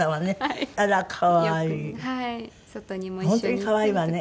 本当に可愛いわね。